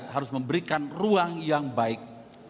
harus memberikan ruang yang baik